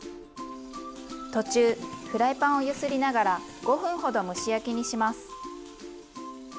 途中フライパンを揺すりながら５分ほど蒸し焼きにします。